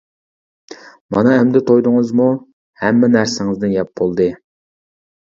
مانا ئەمدى تويدىڭىزمۇ؟ ھەممە نەرسىڭىزنى يەپ بولدى.